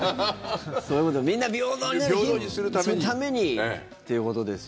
みんな平等にするためにということですよ。